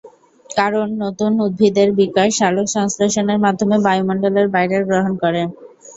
কারণ নতুন উদ্ভিদ এর বিকাশ সালোকসংশ্লেষণ এর মাধ্যমে বায়ুমণ্ডলের বাইরের গ্রহণ করে।